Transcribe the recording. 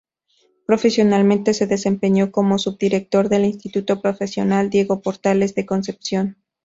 Profesionalmente, se desempeñó como subdirector del Instituto Profesional Diego Portales de Concepción.